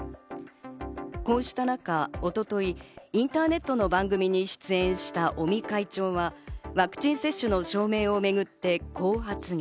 こうした中、一昨日、インターネットの番組に出演した尾身会長はワクチン接種の証明をめぐって、こう発言。